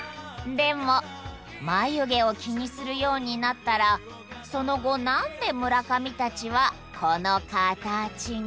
でも眉毛を気にするようになったらその後何で村上たちはこのカタチにしたのかな？